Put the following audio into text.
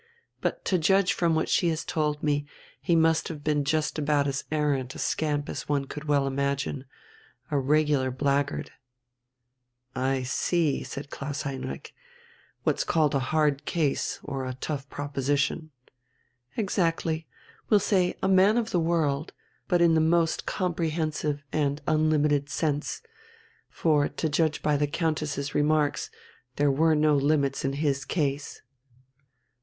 But, to judge from what she has told me, he must have been just about as arrant a scamp as one could well imagine a regular blackguard." "I see," said Klaus Heinrich, "what's called a hard case, or a tough proposition." "Exactly; we'll say man of the world but in the most comprehensive and unlimited sense, for, to judge by the Countess's remarks, there were no limits in his case."